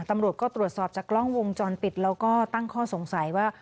ตำรวจก็ตรวจสอบจากกล้องวงจรปิดแล้วก็ตั้งข้อสงสัยว่า